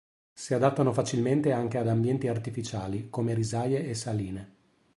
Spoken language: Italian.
Si adattano facilmente anche ad ambienti artificiali, come risaie e saline.